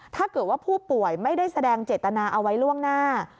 ถ้าเกิดว่าผู้ป่วยไม่ได้แสดงเจตนาเอาไว้ล่วงหน้า